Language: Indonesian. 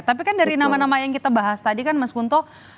tapi kan dari nama nama yang kita bahas tadi kan mas kunto